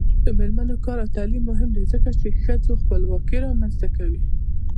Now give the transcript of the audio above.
د میرمنو کار او تعلیم مهم دی ځکه چې ښځو خپلواکي رامنځته کوي.